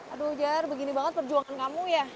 aduh jar begini banget perjuangan kamu ya